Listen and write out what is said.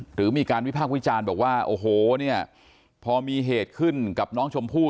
หรือมีการวิพากษ์วิจารณ์บอกว่าโอ้โหเนี่ยพอมีเหตุขึ้นกับน้องชมพู่